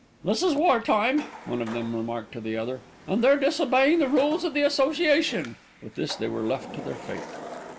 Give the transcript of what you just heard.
"This is war time," one of them remarked to the other, "and they're disobeying the rules of the Association." With this they were left to their fate.